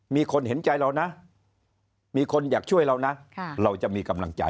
มีคนเห็นใจเรานะมีคนอยากช่วยเรานะเราจะมีกำลังใจ